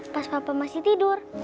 pas papa masih tidur